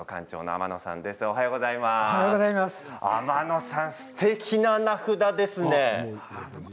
天野さん、すてきな名札ですね。